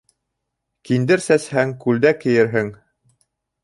Киндер сәсһәң, күлдәк кейерһең.